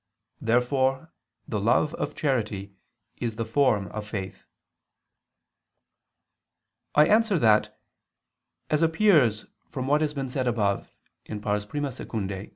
Therefore the love of charity is the form of faith. I answer that, As appears from what has been said above (I II, Q.